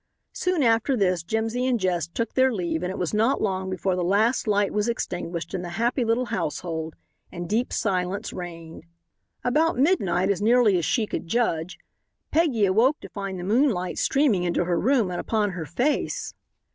Soon after this Jimsy and Jess took their leave and it was not long before the last light was extinguished in the happy little household and deep silence reigned. About midnight, as nearly as she could judge, Peggy awoke to find the moonlight streaming into her room and upon her face.